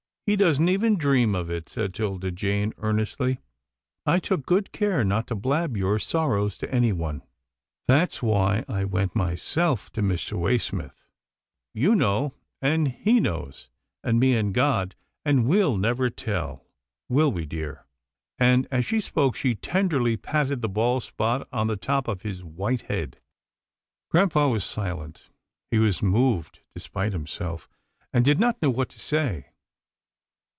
" He doesn't even dream of it," said 'Tilda Jane, earnestly. " I took good care not to blab your sorrows to anyone. That's why I went myself to Mr. Waysmith. You know, and he knows, and me and God, and we'll never tell, will we, dear? " and, as she spoke, she tenderly patted the bald spot on the top of his white head. Grampa was silent. He was moved despite him self, and did not know what to say.